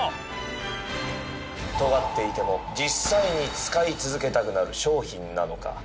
尖っていても実際に使い続けたくなる商品なのか？